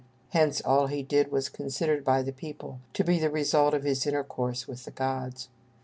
Hence all he did was considered by the people to be the result of his intercourse with the gods.